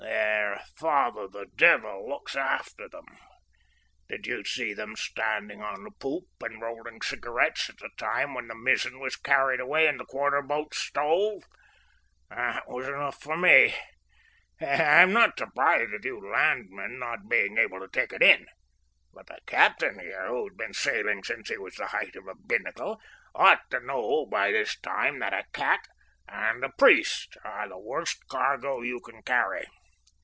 "Their father, the devil, looks after them. Did you see them standing on the poop and rolling cigarettes at the time when the mizzen was carried away and the quarter boats stove? That was enough for me. I'm not surprised at you landsmen not being able to take it in, but the captain here, who's been sailing since he was the height of the binnacle, ought to know by this time that a cat and a priest are the worst cargo you can carry.